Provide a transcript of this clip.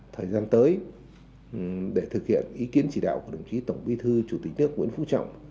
thời gian tới để thực hiện ý kiến chỉ đạo của đồng chí tổng bí thư chủ tịch nước nguyễn phú trọng